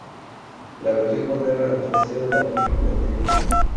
La versión moderna del "Fraseo" de la película anterior.